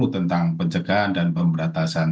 tentang pencegahan dan pemberantasan